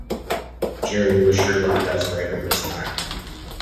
Jarry was surely the best writer of his time.